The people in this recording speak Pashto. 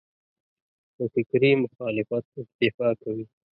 په فکري مخالفت اکتفا کوي.